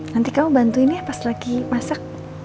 nanti kamu bantu ini ya pas lagi masak